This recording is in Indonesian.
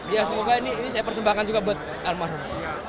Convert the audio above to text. iya semoga ini saya persembahkan juga buat alma room